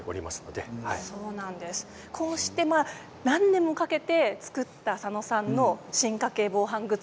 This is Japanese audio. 何年もかけて作った佐野さんの進化系防犯グッズ